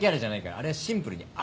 あれはシンプルに味。